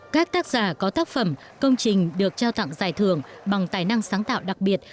các tác giả có tác phẩm công trình được trao tặng giải thưởng bằng tài năng sáng tạo đặc biệt